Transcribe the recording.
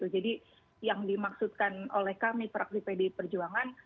jadi yang dimaksudkan oleh kami fraksi pdip perjuangan